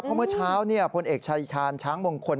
เพราะเมื่อเช้าพลเอกชายชาญช้างมงคล